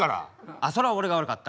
あっそれは俺が悪かった。